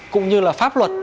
cũng như là pháp luật